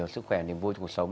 sức khỏe niềm vui trong cuộc sống